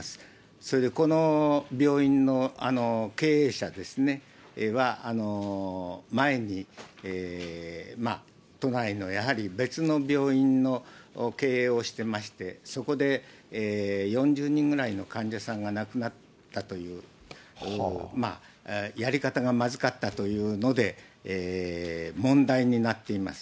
それでこの病院の経営者は、前に都内のやはり別の病院の経営をしてまして、そこで４０人ぐらいの患者さんが亡くなったという、やり方がまずかったというので、問題になっています。